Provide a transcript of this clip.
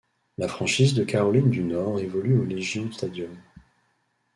La franchise de Caroline du Nord évolue au Legion Stadium.